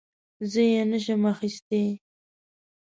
زه یې نه شم اخیستی .